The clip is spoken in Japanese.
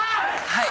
はい。